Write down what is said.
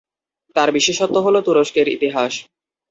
তাঁর বিশেষত্ব হল "তুরস্কের ইতিহাস"।